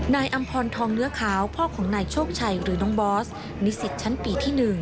อำพรทองเนื้อขาวพ่อของนายโชคชัยหรือน้องบอสนิสิตชั้นปีที่๑